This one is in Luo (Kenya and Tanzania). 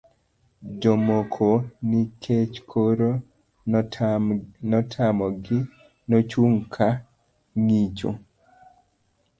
jomoko nikech koro notamogi, nochung' ka ng'icho